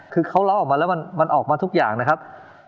คือเขาล้อออกมาแล้วมันออกมาทุกอย่างนะครับ